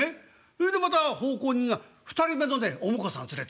それでまた奉公人が２人目のねお婿さん連れてきた。